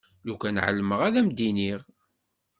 Lukan εelmeɣ ad m-d-iniɣ.